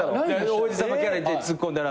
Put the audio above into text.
王子様キャラツッコんだら。